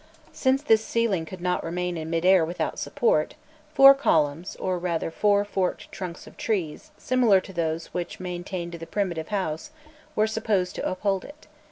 Since this ceiling could not remain in mid air without support, four columns, or rather four forked trunks of trees, similar to those which maintained the primitive house, were supposed to uphold it.